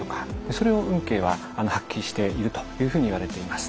それを運慶は発揮しているというふうにいわれています。